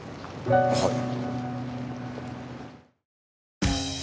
はい。